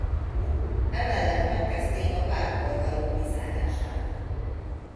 Emellett megkezdték a pártból való kizárását.